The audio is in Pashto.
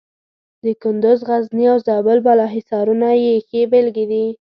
د کندز، غزني او زابل بالا حصارونه یې ښې بېلګې دي.